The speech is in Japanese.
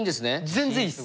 全然いいです！